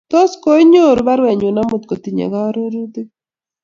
tos ko inyoru baruenyu omut kotinyei orurutik